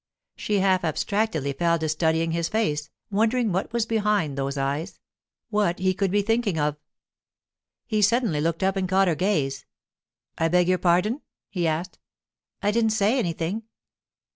She half abstractedly fell to studying his face, wondering what was behind those eyes; what he could be thinking of. He suddenly looked up and caught her gaze. 'I beg your pardon?' he asked. 'I didn't say anything.